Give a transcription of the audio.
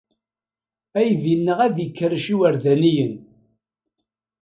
Aydi-nneɣ ad ikerrec iwerdaniyen.